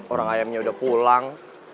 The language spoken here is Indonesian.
orang ayamnya udah pulang